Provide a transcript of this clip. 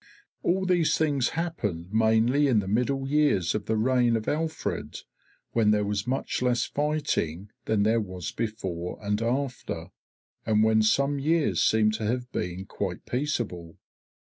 All these things happened mainly in the middle years of the reign of Alfred, when there was so much less fighting than there was before and after, and when some years seem to have been quite peaceable.